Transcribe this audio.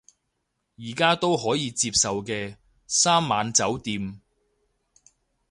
而家都可以接受嘅，三晚酒店